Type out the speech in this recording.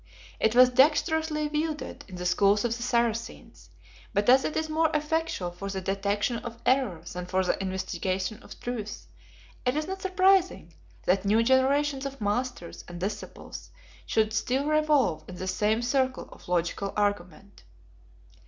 It was dexterously wielded in the schools of the Saracens, but as it is more effectual for the detection of error than for the investigation of truth, it is not surprising that new generations of masters and disciples should still revolve in the same circle of logical argument.